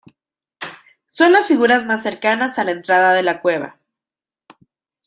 Son las figuras más cercanas a la entrada de la cueva.